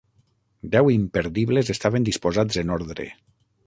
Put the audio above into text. Deu imperdibles estaven disposats en ordre.